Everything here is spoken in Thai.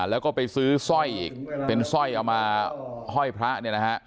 แล้วก็ไปซื้อสร้อยอีกเป็นสร้อยเอามาห้อยพระเนี่ยนะฮะ